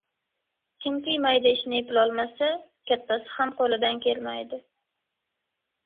Kimki mayda ishni eplolmasa, kattasi ham qo‘lidan kelmaydi.